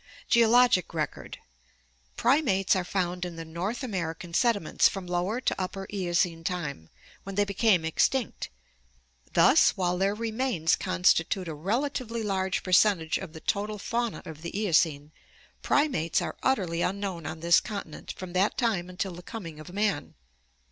Geologic Record. — Primates are found in the North American sediments from Lower to Upper Eocene time, when they became extinct. Thus, while their remains constitute a relatively large percentage of the total fauna of the Eocene, primates are utterly unknown on this continent from that time until the coming of man.